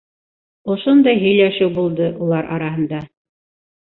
Ошондай һөйләшеү булды улар араһында.